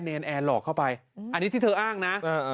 แอร์หลอกเข้าไปอันนี้ที่เธออ้างนะ